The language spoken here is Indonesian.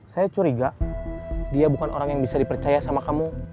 saya curiga dia bukan orang yang bisa dipercaya sama kamu